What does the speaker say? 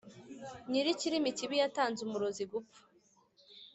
Nyirikirimi kibi yatanze umurozi gupfa